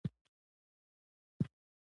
د خلکو له خلکو سره شخړه.